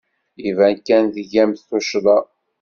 Iban kan tgamt tuccḍa.